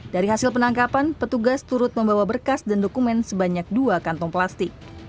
dari hasil penangkapan petugas turut membawa berkas dan dokumen sebanyak dua kantong plastik